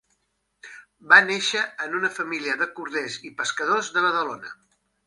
Va néixer en una família de corders i pescadors de Badalona.